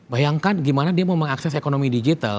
bayangkan gimana dia mau mengakses ekonomi digital